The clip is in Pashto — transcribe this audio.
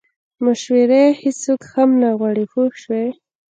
مشورې هیڅوک هم نه غواړي پوه شوې!.